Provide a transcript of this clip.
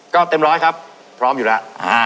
ก็เต็มร้อยครับพร้อมอยู่แล้ว